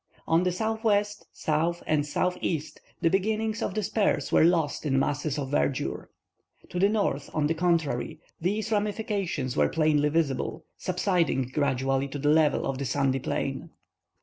On the southwest, south, and southeast, the beginnings of the spurs were lost in masses of verdure. To the north, on the contrary, these ramifications were plainly visible, subsiding gradually to the level of the sandy plain.